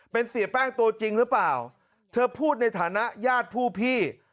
เป็นเสียแป้งตัวจริงหรือเปล่าเธอพูดในฐานะญาติผู้พี่